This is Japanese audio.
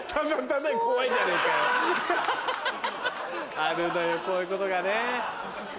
あるのよこういうことがね。